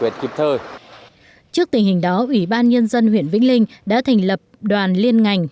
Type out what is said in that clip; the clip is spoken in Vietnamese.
trước tình hình đó ủy ban nhân dân huyện vĩnh linh đã thành lập đoàn liên ngành